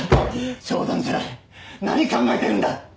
冗談じゃない何考えてるんだ！